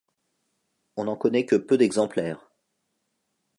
On n'en connaît que peu d'exemplaires.